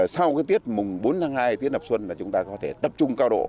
sau cái tiết mùng bốn tháng hai tiết nập xuân là chúng ta có thể tập trung cao độ